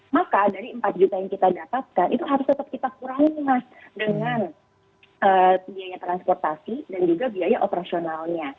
maka dari empat juta yang kita dapatkan itu harus tetap kita kurangi mas dengan biaya transportasi dan juga biaya operasionalnya